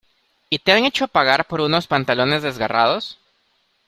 ¿Y te han hecho pagar por unos pantalones desgarrados?